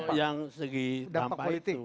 untuk yang segi dampak itu